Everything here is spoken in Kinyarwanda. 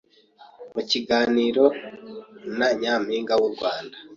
Mu kiganiro na ni nyampinga w'urwanda